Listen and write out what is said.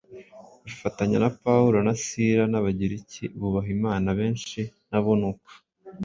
bifatanya na Pawulo na Sila, n’Abagiriki bubaha Imana benshi na bo ni uko,